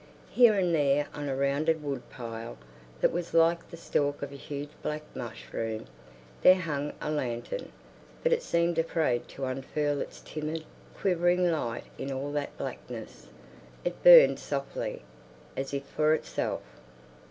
Here and there on a rounded wood pile, that was like the stalk of a huge black mushroom, there hung a lantern, but it seemed afraid to unfurl its timid, quivering light in all that blackness; it burned softly, as if for itself.